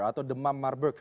atau demam marburg